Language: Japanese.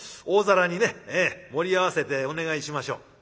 大皿にね盛り合わせてお願いしましょう」。